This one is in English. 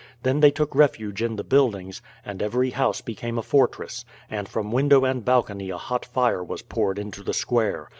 Then they took refuge in the buildings, and every house became a fortress, and from window and balcony a hot fire was poured into the square.